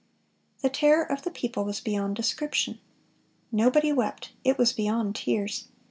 (482) "The terror of the people was beyond description. Nobody wept; it was beyond tears.